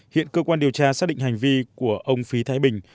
hiện cơ quan điều tra xác định hành vi của ông phí thái bình